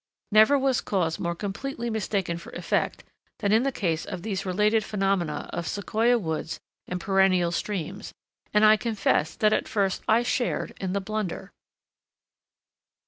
Never was cause more completely mistaken for effect than in the case of these related phenomena of Sequoia woods and perennial streams, and I confess that at first I shared in the blunder.